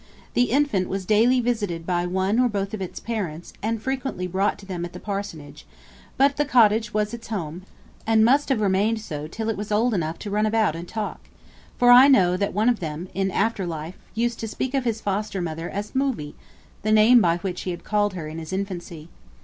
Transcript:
The infant was daily visited by one or both of its parents, and frequently brought to them at the parsonage, but the cottage was its home, and must have remained so till it was old enough to run about and talk; for I know that one of them, in after life, used to speak of his foster mother as 'Movie,' the name by which he had called her in his infancy.